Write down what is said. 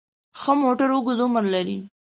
ښه موټر اوږد عمر لري.